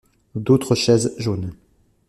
D’autres chaises jaunes.